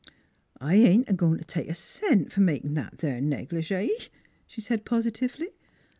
" I ain't a goin' t' take a cent for makin' that there negligee," she said positively.